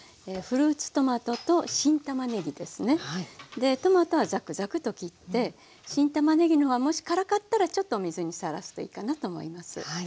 でトマトはザクザクと切って新たまねぎのほうはもし辛かったらちょっとお水にさらすといいかなと思います。